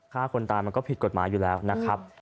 ฆ่าคนตายมันก็ผิดกฎหมายอยู่แล้วนะครับ